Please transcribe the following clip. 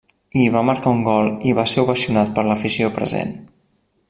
Hi va marcar un gol i va ser ovacionat per l'afició present.